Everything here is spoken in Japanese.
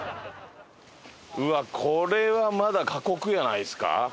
うわっこれはまだ過酷じゃないですか？